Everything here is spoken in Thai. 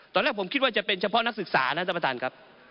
ตอนแรกผมคิดว่าจะเป็นเฉพาะนักศึกษานะท่านประธานครับ